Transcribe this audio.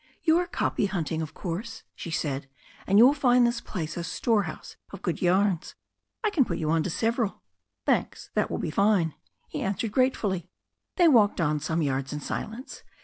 "You are 'copy' hunting, of course," she said, "and you will find this place a storehouse of good yarns. I can put you on to several." "Thanks, that will be fine," he answered gratefully. They walked on some yards in silence.